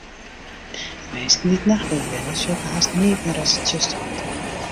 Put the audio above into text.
Minsken dy't nachtblyn binne, sjogge hast neat mear as it tsjuster wurdt.